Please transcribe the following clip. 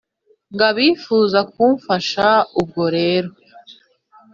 ga bifuza kumfasha Ubwo rero